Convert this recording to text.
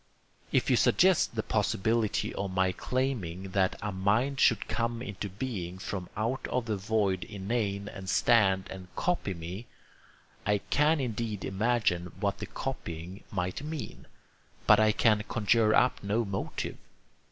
If you suggest the possibility of my claiming that a mind should come into being from out of the void inane and stand and COPY me, I can indeed imagine what the copying might mean, but I can conjure up no motive.